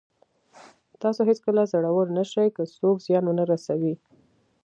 تاسو هېڅکله زړور نه شئ که څوک زیان ونه رسوي.